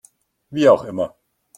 Wie auch immer.